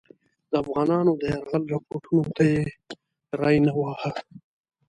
د افغانانو د یرغل رپوټونو ته یې ری نه واهه.